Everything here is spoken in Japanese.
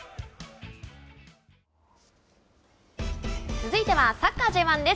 続いては、サッカーＪ１です。